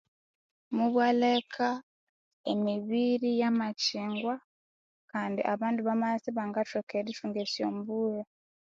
Mubwaleka emibiri yamakyingwa kandi abandu bamabya isibangathoka erithunga esyombulho